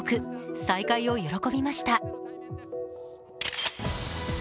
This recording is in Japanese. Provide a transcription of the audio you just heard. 再会を喜びました。